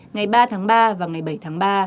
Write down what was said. ngày ba tháng ba và ngày bảy tháng ba